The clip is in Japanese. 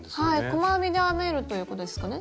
細編みで編めるということですかね。